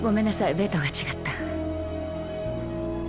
ベッドが違った。